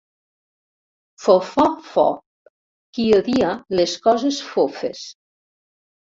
Fofòfob: qui odia les coses fofes.